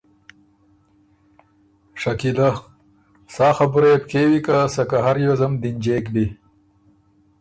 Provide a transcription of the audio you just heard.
شکیلۀ: سا خبُره يې بو کېوی که سکه هر ریوزم دِنجېک بی۔